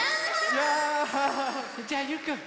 じゃゆうくん。